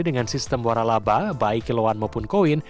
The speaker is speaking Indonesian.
dengan sistem warna laba baik kiloan maupun koin